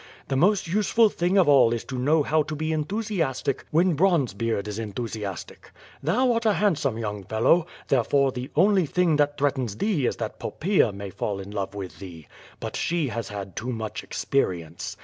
The most useful thing of all is to know how to be enthusiastic when Bronzebeard is enthusiastic. Thou art a handsome young fellow, there fore, the only thing that threatens thee is that Poppaea may fall in love with thee. But she has had too much experience.